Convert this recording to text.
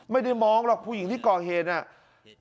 ไม่ได้มองหรอกผู้หญิงที่ก่อเหตุเนี่ย